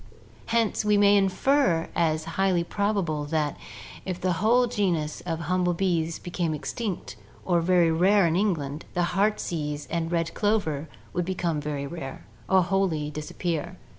... Hence we may infer as highly probable that, if the whole genus of humble bees became extinct or very rare in England, the heartsease and red clover would become very rare, or wholly disappear.